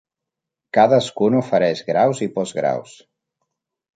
Cadascun ofereix graus i postgraus.